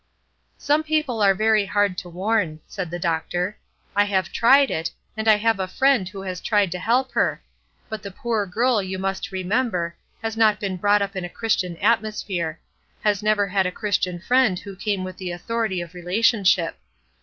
"Some people are very hard to warn," said the doctor. "I have tried it, and I have a friend who has tried to help her; but the poor girl, you must remember, has not been brought up in a Christian atmosphere has never had a Christian friend who came with the authority of relationship.